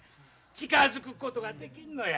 近づくことができんのや。